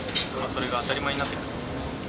それが当たり前になってくる。